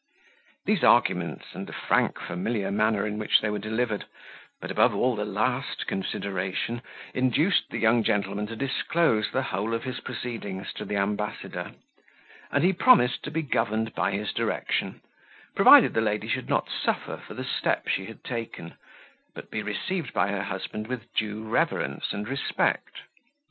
These arguments, and the frank familiar manner in which they were delivered but, above all, the last consideration induced the young gentleman to disclose the whole of his proceedings to the ambassador; and he promised to be governed by his direction, provided the lady should not suffer for the step she had taken, but, be received by her husband with due reverence and respect.